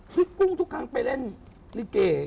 ที่กุ้งทุกครั้งไปเล่นริเกย์